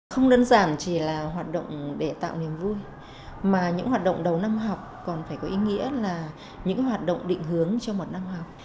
không đơn giản chỉ là hoạt động để tạo niềm vui mà những hoạt động đầu năm học còn phải có ý nghĩa là những hoạt động định hướng cho một năm học